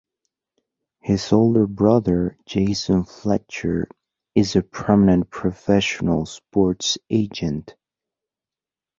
His older brother, Jason Fletcher, is a prominent professional sports agent.